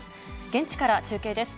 現地から中継です。